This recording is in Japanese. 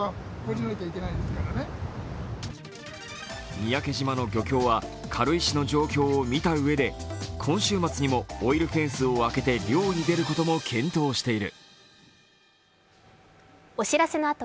三宅島の漁協は軽石の状況を見たうえで今週末にもオイルフェンスを開けて漁に出ることも検討している。